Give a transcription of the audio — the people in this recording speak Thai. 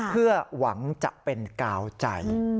เพื่อหวังจะเป็นกาวใจ